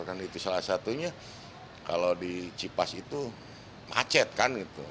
kan itu salah satunya kalau di cipas itu macet kan gitu